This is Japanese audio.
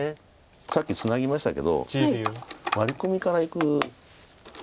さっきツナぎましたけどワリコミからいく。